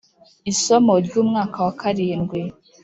Isomo ry umwaka wa karindwi